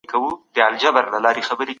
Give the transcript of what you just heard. څنګه په خپل ځان باور او اعتماد لوړ کړو؟